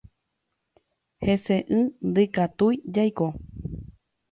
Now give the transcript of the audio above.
Heseʼỹ ndikatúi jaiko.